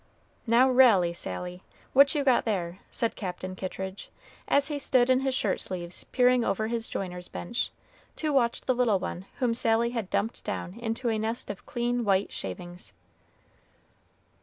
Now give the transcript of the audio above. "Now, railly, Sally, what you got there?" said Captain Kittridge, as he stood in his shirt sleeves peering over his joiner's bench, to watch the little one whom Sally had dumped down into a nest of clean white shavings.